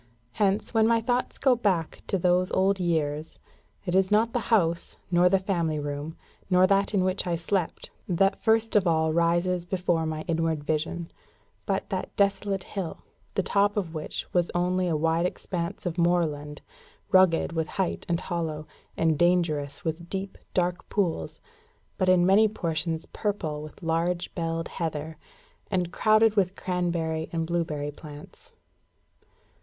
Hence, when my thoughts go back to those old years, it is not the house, nor the family room, nor that in which I slept, that first of all rises before my inward vision, but that desolate hill, the top of which was only a wide expanse of moorland, rugged with height and hollow, and dangerous with deep, dark pools, but in many portions purple with large belled heather, and crowded with cranberry and blaeberry plants.